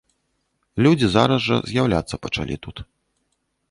Людзі зараз жа з'яўляцца пачалі тут.